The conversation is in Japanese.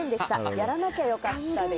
やらなきゃよかったです。